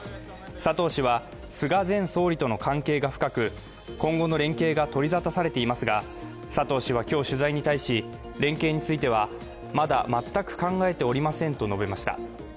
佐藤氏は、菅前総理との関係が深く今後の連携が取り沙汰されていますが、佐藤氏は今日、取材に対し連携については、まだ全く考えておりませんと述べました。